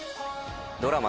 ドラマ